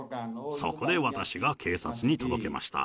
そこで私が警察に届けました。